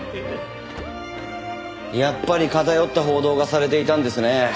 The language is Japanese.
やっぱり偏った報道がされていたんですね。